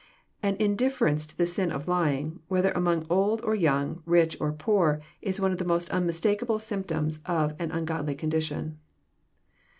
An indifference to the sin of lying, whether among old or young, rich or poor, is one of the most unmistalLable symptoms of an ungodly condition.